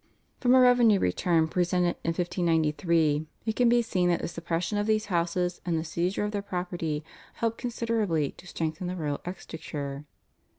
" From a revenue return presented in 1593 it can be seen that the suppression of these houses and the seizure of their property helped considerably to strengthen the royal exchequer.